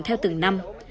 theo từng năm